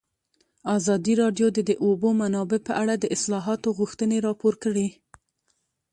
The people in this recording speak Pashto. ازادي راډیو د د اوبو منابع په اړه د اصلاحاتو غوښتنې راپور کړې.